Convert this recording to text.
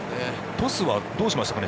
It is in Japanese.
トスはどうしましたかね。